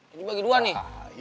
ini bagi dua nih